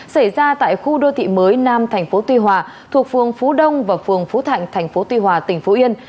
xảy ra tại khu đô thị mới nam thành phố tuy hòa thuộc phường phú đông và phường phú thạnh tp tuy hòa tỉnh phú yên